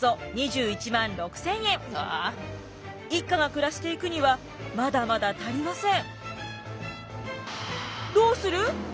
一家が暮らしていくにはまだまだ足りません。